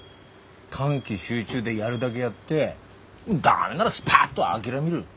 短期集中でやるだげやって駄目ならスパッと諦める。